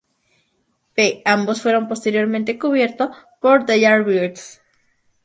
B Ambos fueron posteriormente cubierto por The Yardbirds.